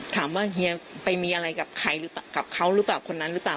เฮียไปมีอะไรกับใครกับเขาหรือเปล่าคนนั้นหรือเปล่า